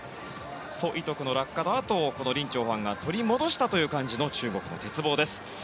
ソ・イトクの落下のあとリン・チョウハンが取り戻したという感じの中国の鉄棒です。